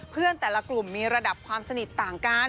เพื่อนแต่ละกลุ่มมีระดับความสนิทต่างกัน